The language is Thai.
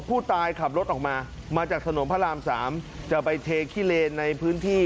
ผู้ตายขับรถออกมามาจากถนนพระราม๓จะไปเทขี้เลนในพื้นที่